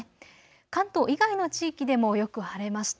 関東以外の地域でもよく晴れました。